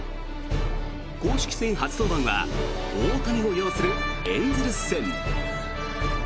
公式戦初登板は大谷を擁するエンゼルス戦。